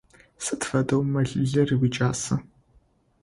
Сыд фэдэу мэлылыр уикӏаса?